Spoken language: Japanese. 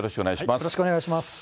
よろしくお願いします。